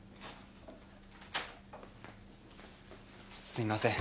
・・すいません。